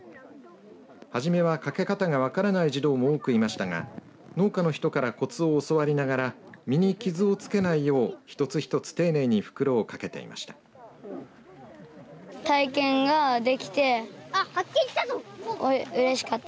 初めはかけ方が分からない児童も多くいましたが多くの人からこつを教わりながら実に傷をつけないよう一つ一つ丁寧に袋をかけていました。